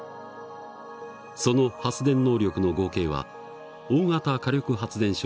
その発電能力の合計は大型火力発電所